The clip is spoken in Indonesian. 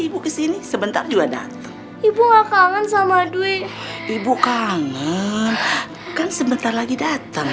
ibu kesini sebentar juga datang ibu enggak kangen sama dwi ibu kangen kan sebentar lagi datang